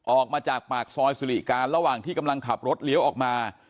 ออกมาจากปากซอยสิริการระหว่างที่กำลังขับรถเลี้ยวออกมา